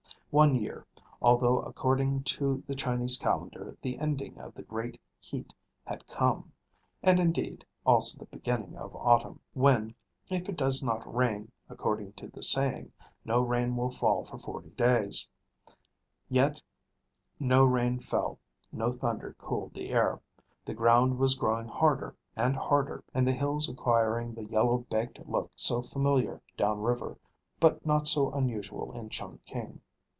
One year, although according to the Chinese calendar the ending of the great heat had come and, indeed, also the beginning of autumn, when, if it does not rain, according to the saying, no rain will fall for forty days yet no rain fell, no thunder cooled the air. The ground was growing harder and harder, and the hills acquiring the yellow baked look so familiar down river, but so unusual in Chungking.